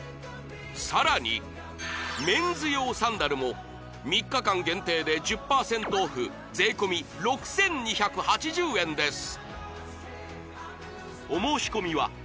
さらにメンズ用サンダルも３日間限定で１０％オフ税込６２８０円です！